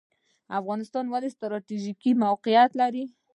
افغانستان ولې ستراتیژیک موقعیت لري؟